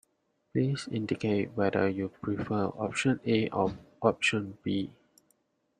Please indicate whether you prefer option A or option B